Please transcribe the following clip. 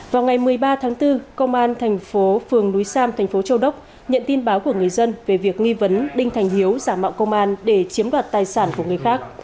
vào ngày một mươi ba tháng bốn công an thành phố phường núi sam thành phố châu đốc nhận tin báo của người dân về việc nghi vấn đinh thành hiếu giả mạo công an để chiếm đoạt tài sản của người khác